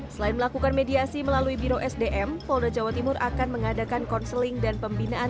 selain melakukan mediasi melalui biro sdm polda jawa timur akan mengadakan konseling dan pembinaan